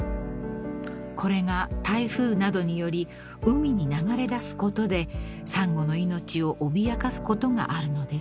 ［これが台風などにより海に流れ出すことでサンゴの命を脅かすことがあるのです］